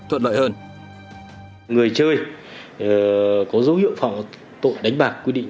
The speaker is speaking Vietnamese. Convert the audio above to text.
người chơi có dấu hiệu phạm vào tội đánh bạc quy định